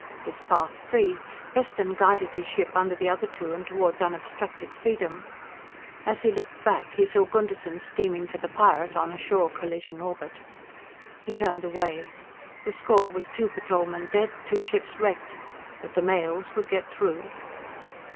His path free, Preston guided his ship under the other two and toward unobstructed freedom. As he looked back, he saw Gunderson steaming for the pirate on a sure collision orbit. He turned away. The score was two Patrolmen dead, two ships wrecked but the mails would get through.